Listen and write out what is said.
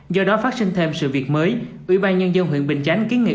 do đó phát sinh thêm sự việc mới ủy ban nhân dân huyện bình chánh kiến nghị